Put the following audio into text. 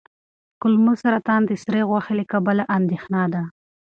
کولمو سرطان د سرې غوښې له کبله اندېښنه ده.